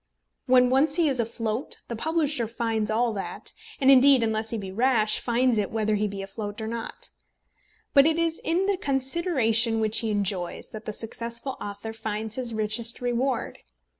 When once he is afloat, the publisher finds all that; and indeed, unless he be rash, finds it whether he be afloat or not. But it is in the consideration which he enjoys that the successful author finds his richest reward.